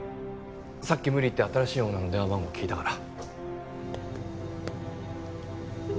さっき無理言って新しいオーナーの電話番号聞いたから。